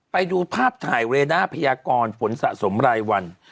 ไปดูภาพถ่ายเรด้าพยากรฝนสะสมรายวัน